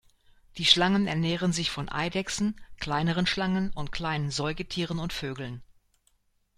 Die Schlangen ernähren sich von Eidechsen, kleineren Schlangen und kleinen Säugetieren und Vögeln.